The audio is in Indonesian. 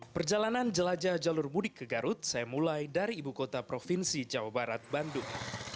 perjalanan jelajah jalur mudik ke garut saya mulai dari ibu kota provinsi jawa barat bandung